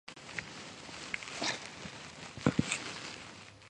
ქალთა ეკონომიკური, პოლიტიკური და სოციალური მიღწევების აღნიშვნის გლობალური დღესასწაული.